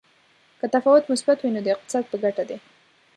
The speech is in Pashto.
که تفاوت مثبت وي نو د اقتصاد په ګټه دی.